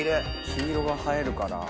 黄色が映えるから。